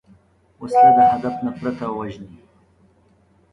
وسله د هدف نه پرته وژني